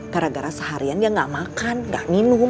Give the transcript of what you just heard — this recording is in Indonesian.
gara gara seharian dia nggak makan gak minum